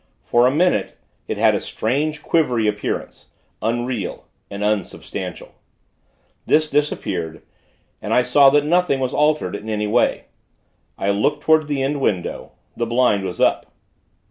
For a minute, it had a strange, quivery appearance unreal and unsubstantial. This disappeared, and I saw that nothing was altered in any way. I looked toward the end window the blind was up.